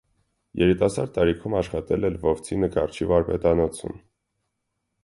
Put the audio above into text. Երիտասարդ տարիքում աշխատել է լվովցի նկարչի վարպետանոցում։